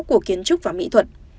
của kiến trúc và mỹ thuật